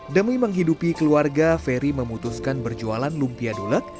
demi menghidupi keluarga ferry memutuskan berjualan lumpia dulek